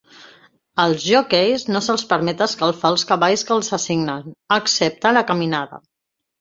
Als joqueis no se'ls permet escalfar els cavalls que els assignen, excepte a la caminada.